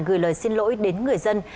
gửi lời xin lỗi đến người dân